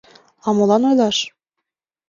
— А молан ойлаш?